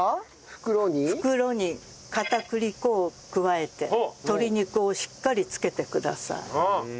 袋に片栗粉を加えて鶏肉をしっかり漬けてください。